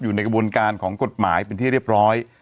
อยู่ในกระบวนการของกฎหมายเป็นที่เรียบร้อย